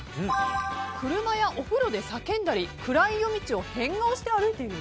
車やお風呂で叫んだり暗い夜道を変顔して歩いている。